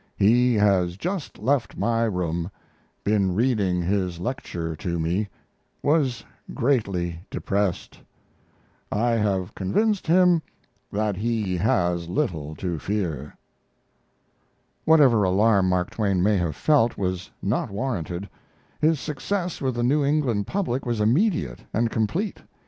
He has just left my room been reading his lecture to me was greatly depressed. I have convinced him that he has little to fear. Whatever alarm Mark Twain may have felt was not warranted. His success with the New England public was immediate and complete.